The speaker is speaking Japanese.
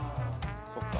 そっか。